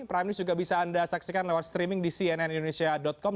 prime news juga bisa anda saksikan lewat streaming di cnnindonesia com